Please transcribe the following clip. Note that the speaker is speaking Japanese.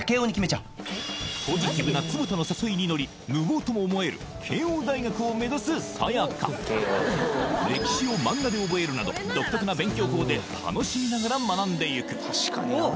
ちゃおうポジティブな坪田の誘いに乗り無謀とも思える慶應大学を目指すさやか歴史を漫画で覚えるなど独特な勉強法で楽しみながら学んでいくおー